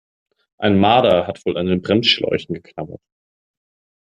Ein Marder hat wohl an den Bremsschläuchen geknabbert.